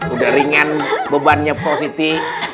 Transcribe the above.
udah ringan bebannya pak siti